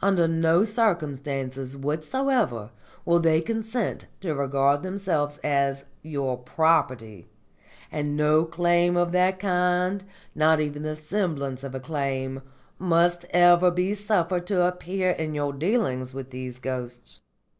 Under no circumstances whatsoever will they consent to regard themselves as your property, and no claim of that kind, nor even the semblance of a claim, must ever be suffered to appear in your dealings with these ghosts.